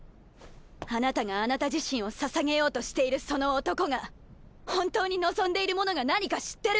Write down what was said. あなたがあなた自身をささげようとしているその男が本当に望んでいるものが何か知ってる？